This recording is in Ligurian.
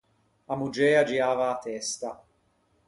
A moggê a giava a testa.